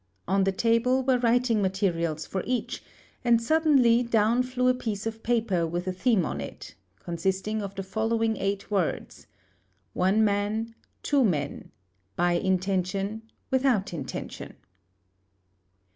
On the table were writing materials for each, and suddenly down flew a piece of paper with a theme on it, consisting of the following eight words: "One man, two men; by intention, without intention."